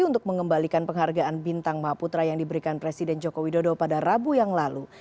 untuk mengembalikan penghargaan bintang maha putra yang diberikan presiden joko widodo pada rabu yang lalu